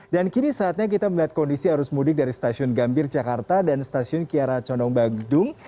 dan kini saatnya kita melihat kondisi arus mudik dari stasiun gambir jakarta dan stasiun kiara condong bagdung